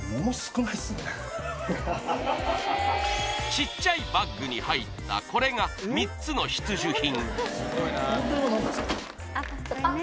ちっちゃいバッグに入ったこれが３つの必需品・